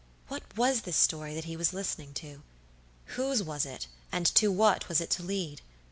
What was this story that he was listening to? Whose was it, and to what was it to lead?